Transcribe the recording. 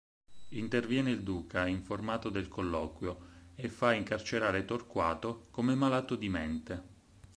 Interviene il Duca, informato del colloquio, e fa incarcerare Torquato, come malato di mente.